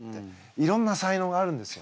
いろんな才能があるんですよ。